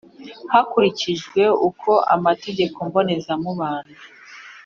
Hakurikijwe uko amategeko mbonezamubano